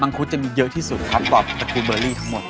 มังคุดจะมีเยอะที่สุดครับต่อของสักครูเบอรี่ทั้งหมด